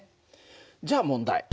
じゃあ問題。